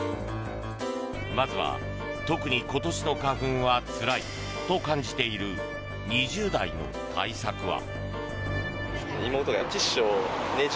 まずは、特に今年の花粉はつらいと感じている２０代の対策は。